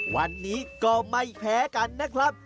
วันนี้ก็ไม่เห็นแบบนี้เลยครับ